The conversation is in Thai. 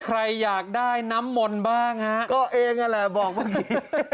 ใครอยากได้น้ำมนต์บ้างฮะก็เองนั่นแหละบอกเมื่อกี้